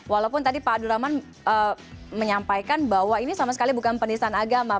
walaupun tadi pak abdurrahman menyampaikan bahwa ini sama sekali bukan penistaan agama